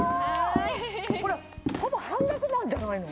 これほぼ半額なんじゃないの？